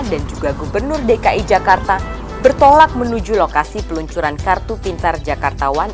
dan juga gubernur dki jakarta bertolak menuju lokasi peluncuran kartu pintar jakartawan